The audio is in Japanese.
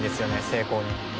成功に。